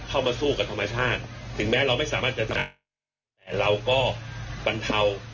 เข้ามาสู้กับธรรมชาติถึงแม้เราไม่สามารถจะทำแต่เราก็บรรเทา